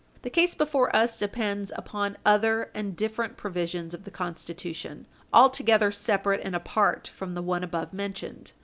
The case before us depends upon other and different provisions of the Constitution altogether separate and apart from the one above mentioned.